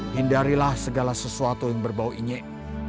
hindarilah segala sesuatu yang berbau ingin